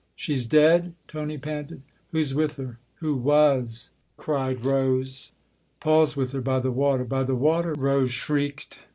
She's dead ?" Tony panted. " Who's with her who was ?" cried Rose. " Paul's with her by the water." " By the water ?" Rose shrieked.